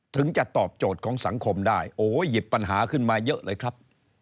ถึงจะตอบโจทย์ของสังคมได้โอ้ยหยิบปัญหาขึ้นมาเยอะเลยครับ